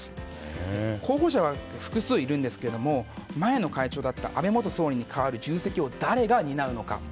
候補者は複数いるんですけれども前の会長だった安倍元総理に代わる重責を誰が担うのか。